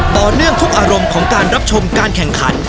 ต่อเนื่องทุกอารมณ์ของการรับชมการแข่งขัน